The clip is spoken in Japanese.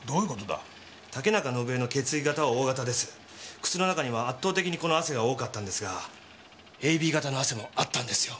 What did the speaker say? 靴の中には圧倒的にこの汗が多かったんですがＡＢ型の汗もあったんですよ。